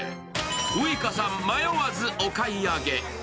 ウイカさん、迷わずお買い上げ。